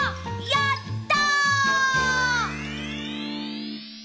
やった！